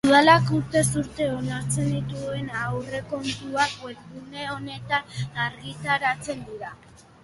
Udalak urtez urte onartzen dituen aurrekontuak webgune honetan argitaratzen dira.